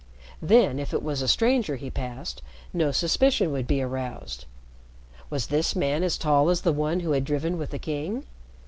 Then, if it was a stranger he passed, no suspicion would be aroused. Was this man as tall as the one who had driven with the King?